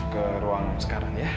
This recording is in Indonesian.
kau tahu presents ini ya